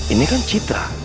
ini kan citra